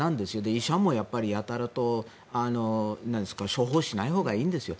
医者もやたらと処方しないほうがいいんですよ。